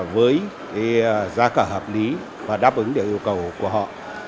với giá cả hợp lý và đáp ứng được yêu cầu của họ